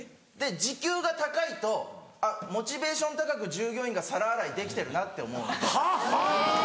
で時給が高いとあっモチベーション高く従業員が皿洗いできてるなって思うので。